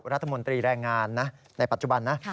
รัฐมนตรีแรงงานนะในปัจจุบันนะ